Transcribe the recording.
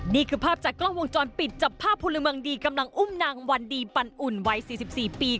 นี่คือภาพจากกล้องวงจรปิดจับภาพพลเมืองดีกำลังอุ้มนางวันดีปันอุ่นวัย๔๔ปี